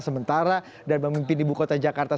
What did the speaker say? sementara dan memimpin ibu kota jakarta